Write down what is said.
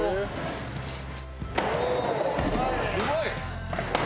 うまい！